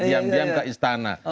diam diam ke istana